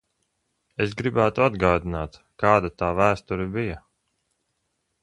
Es gribētu atgādināt, kāda tā vēsture bija.